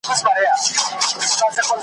ویل پیره دا خرقه دي راکړه ماته .